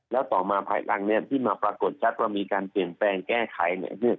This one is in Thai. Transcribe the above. แล้วต่อมาภายหลังเนี่ยที่มาปรากฏชัดว่ามีการเปลี่ยนแปลงแก้ไขเนี่ย